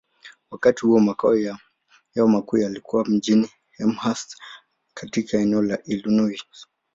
Wakati huo, makao yao makuu yalikuwa mjini Elmhurst, katika eneo la Illinois.